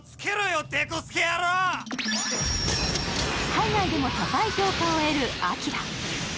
海外でも高い評価を受ける「ＡＫＩＲＡ」。